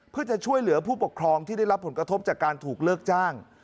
เพื่อจะช่วยเหลือผู้ปกครองที่ได้รับผลกระทบจากการถูกเลิกจ้าง